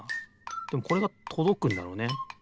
でもこれがとどくんだろうね。